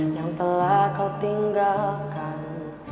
yang telah kau tinggalkan